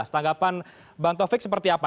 tanggapan bang taufik seperti apa